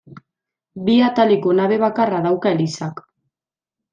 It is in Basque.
Bi ataleko nabe bakarra dauka elizak.